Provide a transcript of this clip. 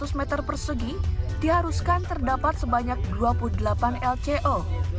seratus meter persegi diharuskan terdapat sebanyak dua puluh delapan lco